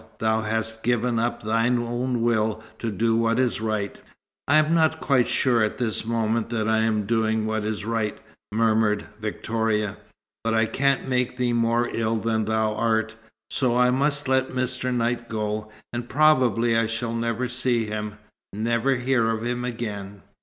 Thou hast given up thine own will to do what is right." "I'm not quite sure at this moment that I am doing what is right," murmured Victoria. "But I can't make thee more ill than thou art, so I must let Mr. Knight go. And probably I shall never see him, never hear of him again.